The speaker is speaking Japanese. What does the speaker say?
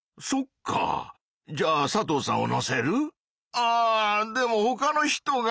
あでもほかの人が。